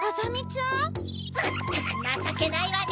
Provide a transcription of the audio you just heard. まったくなさけないわね！